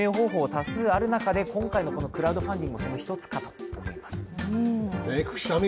多数ある中で、今回のクラウドファンディングもその一つかと思います。